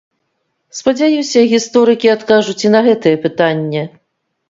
Спадзяюся, гісторыкі адкажуць і на гэтае пытанне.